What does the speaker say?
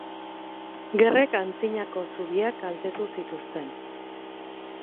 Gerrek antzinako zubiak kaltetu zituzten.